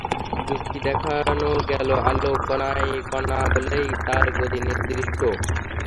যুক্তি দেখানো গেল, আলো কণা বলেই তার গতি নির্দিষ্ট।